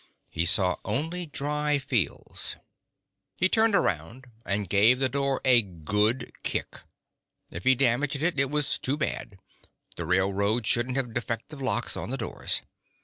He saw only dry fields. He turned around and gave the door a good kick. If he damaged it, it was too bad; the railroad shouldn't have defective locks on the doors.